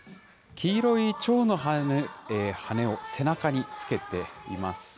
黄色いちょうの羽を背中につけています。